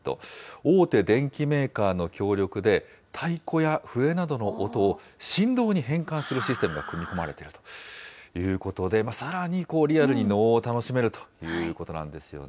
大手電機メーカーの協力で、太鼓や笛などの音を振動に変換するシステムが組み込まれているということで、さらにリアルに能を楽しめるということなんですよね。